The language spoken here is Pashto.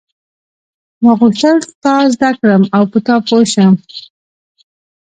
ما غوښتل تا زده کړم او په تا پوه شم.